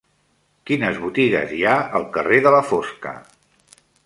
Quines botigues hi ha al carrer de la Fosca?